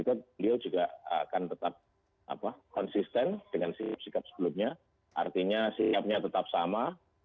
beliau juga akan tetap konsisten dengan sikap sebelumnya artinya sikapnya tetap sama